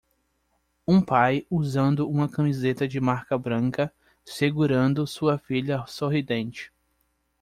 Um pai usando uma camiseta de marca branca segurando sua filha sorridente.